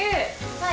はい？